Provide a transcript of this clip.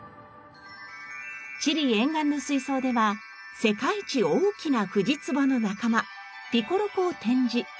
チリ沿岸の水槽では世界一大きなフジツボの仲間ピコロコを展示。